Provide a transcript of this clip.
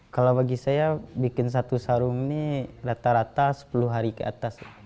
kalau bagi saya bikin satu sarung ini rata rata sepuluh hari ke atas